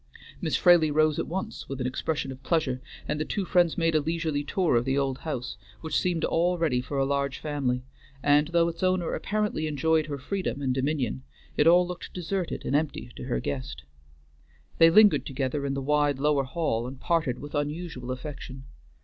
Miss Fraley rose at once, with an expression of pleasure, and the two friends made a leisurely tour of the old house which seemed all ready for a large family, and though its owner apparently enjoyed her freedom and dominion, it all looked deserted and empty to her guest. They lingered together in the wide lower hall, and parted with unusual affection.